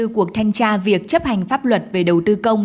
hai mươi cuộc thanh tra việc chấp hành pháp luật về đầu tư công